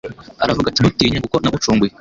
Aravuga ati : "Ntutinye kuko nagucunguye.